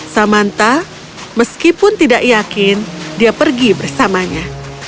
samanta meskipun tidak yakin dia pergi bersamanya